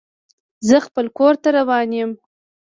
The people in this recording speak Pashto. زه خپل کور ته روان یم.